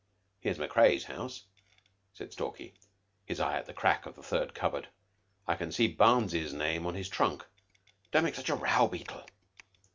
"Here's Macrea's house," said Stalky, his eye at the crack of the third cupboard. "I can see Barnes's name on his trunk. Don't make such a row, Beetle!